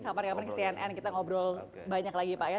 kapan kapan ke cnn kita ngobrol banyak lagi pak ya